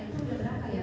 itu berapa ya